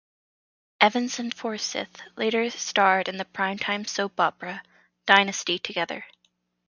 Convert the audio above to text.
Evans and Forsythe later starred in the primetime soap opera "Dynasty" together.